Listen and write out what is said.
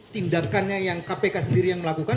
tindakannya yang kpk sendiri yang melakukan